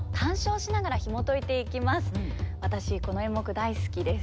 私この演目大好きです。